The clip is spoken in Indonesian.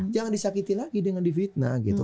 jangan disakiti lagi dengan difitnah gitu